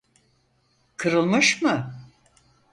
Kırılmış mı?